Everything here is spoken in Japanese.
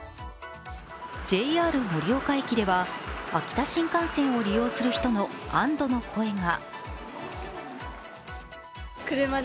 ＪＲ盛岡駅では秋田新幹線を利用する人の安どの声が。